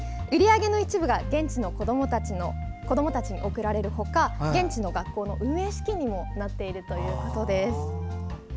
売り上げの一部が現地の子どもたちに送られるほか現地の学校の運営資金にもなっているということです。